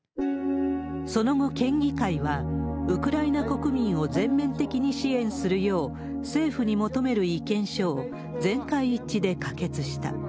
その後、県議会はウクライナ国民を全面的に支援するよう、政府に求める意見書を全会一致で可決した。